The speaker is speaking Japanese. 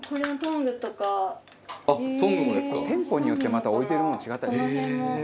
「店舗によってまた置いてるもの違ったりするんですよ